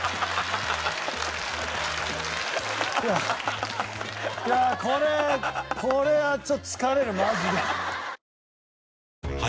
いやいやあこれこれはちょっと疲れるマジで。